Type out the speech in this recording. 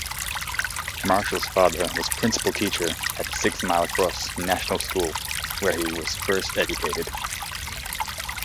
Marshall's father was principal teacher at Sixmilecross National School, where he was first educated.